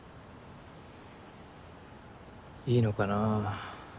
いいのかな？